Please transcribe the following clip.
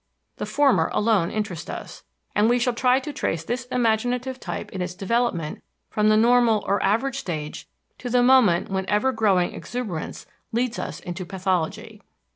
The former alone interest us, and we shall try to trace this imaginative type in its development from the normal or average stage to the moment when ever growing exuberance leads us into pathology.